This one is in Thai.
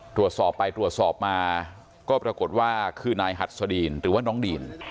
ตรวจสอบไปตรวจสอบมาก็ปรากฏว่าคือนายหัดสดีนหรือว่าน้องดีน